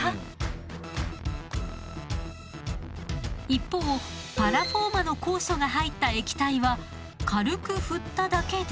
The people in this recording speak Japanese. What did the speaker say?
一方パラフォーマの酵素が入った液体は軽く振っただけで。